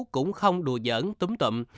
cũng không đùa giỡn túm tụm